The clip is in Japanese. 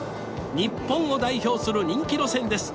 日本を代表する人気路線です。